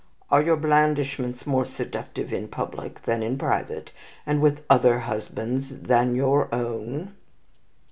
Are your blandishments more seductive in public than in private, and with other husbands than your own?'"